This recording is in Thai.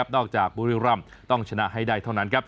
นอกจากบุริร่ำต้องชนะให้ได้เท่านั้น